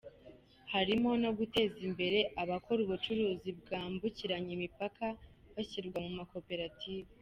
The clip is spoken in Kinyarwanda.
Harimo no guteza imbere abakora ubucuruzi bwambukiranya imipaka, bashyirwa mu makoperative.